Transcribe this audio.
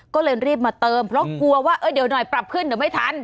ก็เลยรีบมาเติมเพราะกลัวว่าเดี๋ยวหน่อยปรับขึ้นเดี๋ยวไม่ทัน